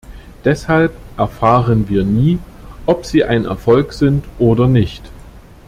Deshalb erfahren wir nie, ob sie ein Erfolg sind oder nicht.